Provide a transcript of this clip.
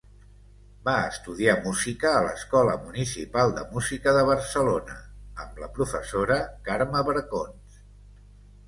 Va estudiar música a l'Escola Municipal de Música de Barcelona, amb la professora Carme Bracons.